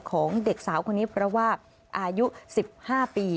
ของเด็กสาวคนนี้เพราะว่าอายุ๑๕ปี